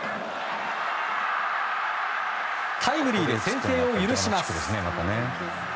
タイムリーで先制を許します。